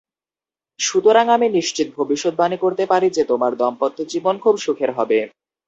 সুতরাং আমি নিশ্চিত ভবিষ্যদ্বাণী করতে পারি যে, তোমার দাম্পত্য-জীবন খুব সুখের হবে।